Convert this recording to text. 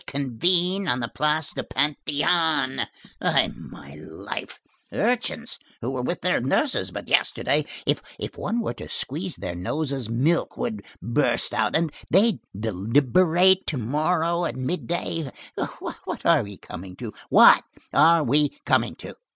they convene on the Place du Panthéon! by my life! urchins who were with their nurses but yesterday! If one were to squeeze their noses, milk would burst out. And they deliberate to morrow, at midday. What are we coming to? What are we coming to?